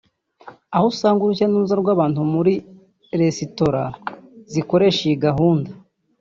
aho usanga urujya n’uruza rw’abantu bajya muri resitora zikoresha iyi gahunda